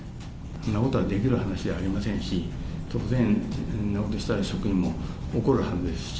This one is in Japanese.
そんなことはできる話ではありませんし、当然、そんなことしたら職員も怒るはずですし。